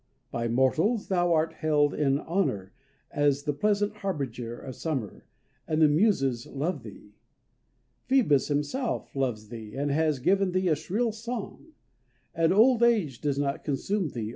By mortals thou art held in honor as the pleasant harbinger of summer; and the Muses love thee. Phoebus himself loves thee, and has given thee a shrill song. And old age does not consume thee.